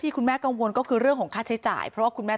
คุณแม่กังวลก็คือเรื่องของค่าใช้จ่ายเพราะว่าคุณแม่